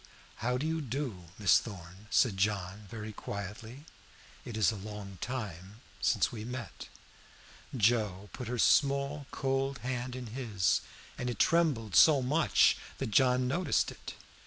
"How do you do, Miss Thorn?" John said, very quietly. "It is a long time since we met." Joe put her small cold hand in his, and it trembled so much that John noticed it.